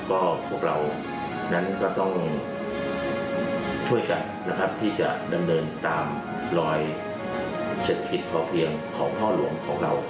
ก็พวกเรานั้นก็ต้องช่วยกันนะครับที่จะดำเนินตามรอยเศรษฐกิจพอเพียงของพ่อหลวงของเรา